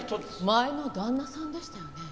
前の旦那さんでしたよね？